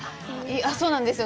そうなんですよ。